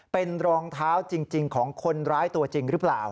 เป็นรองเท้าจริงของคนร้ายตัวจริงหรือเปล่า